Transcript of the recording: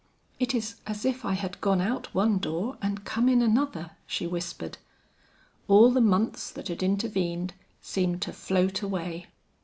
"It is as if I had gone out one door and come in another," she whispered. All the months that had intervened seemed to float away.